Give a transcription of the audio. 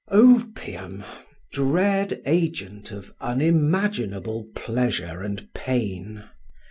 Opium! dread agent of unimaginable pleasure and pain!